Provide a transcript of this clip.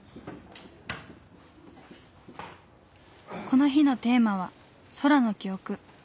この日のテーマは「空の記憶」。